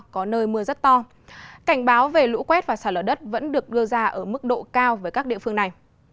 có nơi mưa rất to cảnh báo về lũ quét và xả lở đất vẫn được đưa ra ở mức độ cao với các địa phương này